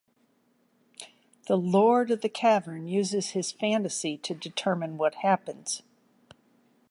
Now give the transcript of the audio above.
The Lord of the cavern uses his fantasy to determine what happens.